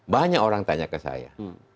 banyak orang tanya ke saya